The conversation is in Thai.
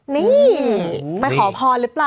นี่ไปขอพรหรือเปล่า